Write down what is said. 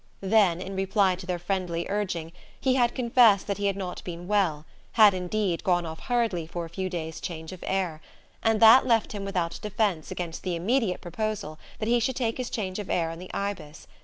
Then, in reply to their friendly urging, he had confessed that he had not been well had indeed gone off hurriedly for a few days' change of air and that left him without defence against the immediate proposal that he should take his change of air on the Ibis.